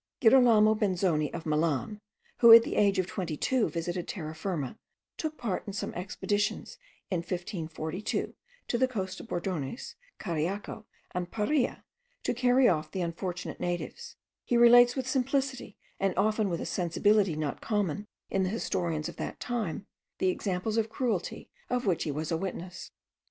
Girolamo Benzoni of Milan, who at the age of twenty two visited Terra Firma, took part in some expeditions in 1542 to the coasts of Bordones, Cariaco, and Paria, to carry off the unfortunate natives, he relates with simplicity, and often with a sensibility not common in the historians of that time, the examples of cruelty of which he was a witness.